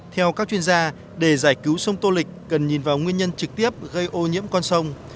theo các chuyên gia để giải cứu sông tô lịch cần nhìn vào nguyên nhân trực tiếp gây ô nhiễm con sông